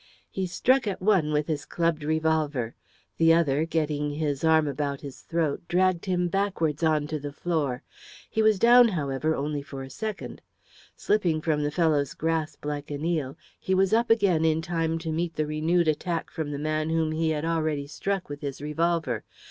He struck at one with his clubbed revolver. The other, getting his arm about his throat, dragged him backwards on to the floor. He was down, however, only for a second. Slipping from the fellow's grasp like an eel, he was up again in time to meet the renewed attack from the man whom he had already struck with his revolver.